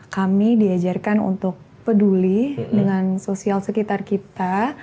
kami diajarkan untuk peduli dengan sosial sekitar kita